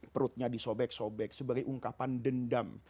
perutnya disobek sobek sebagai ungkapan dendam